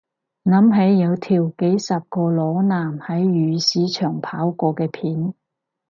諗起有條幾十個裸男喺漁市場跑過嘅片